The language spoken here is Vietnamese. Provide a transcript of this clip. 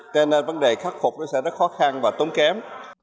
cho nên vấn đề khắc phục nó sẽ rất khó khăn và tốn kém